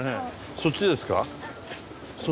そっちですか？